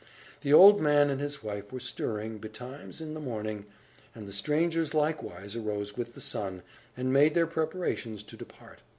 The old man and his wife were stirring, betimes, in the morning, and the strangers likewise arose with the sun, and made their preparations to depart.